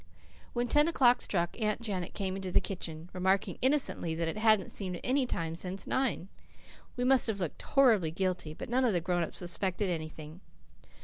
When ten o'clock struck Aunt Janet came into the kitchen, remarking innocently that it hadn't seemed anytime since nine. We must have looked horribly guilty, but none of the grown ups suspected anything.